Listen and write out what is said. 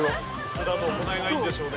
◆ふだんの行いがいいんでしょうね。